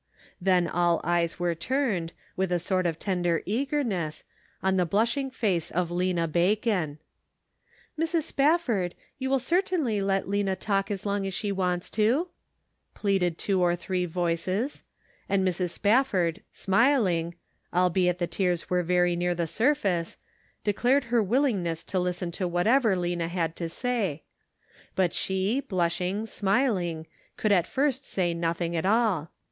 Then all eyes were turned, with sort of tender eagerness, on the blushing face of Lena Bacon. " Mrs. Spafford, you will certainly let Lena talk as long as she wants to ?" pleaded two or three voices, and Mrs. Spafford, smiling, albeit the tears were very near the surface, declared her willingness to listen to whatever Lena had to say ; but she, blushing, smiling, 496 The Pocket Measure. could at first say nothing at all.